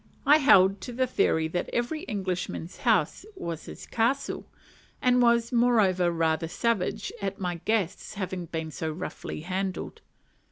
I held to the theory that every Englishman's house was his castle, and was moreover rather savage at my guests having been so roughly handled.